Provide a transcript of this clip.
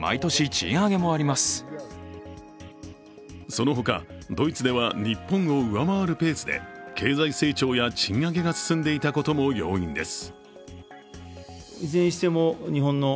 その他、ドイツでは日本を上回るペースで経済成長や賃上げが進んでいたことも要因です。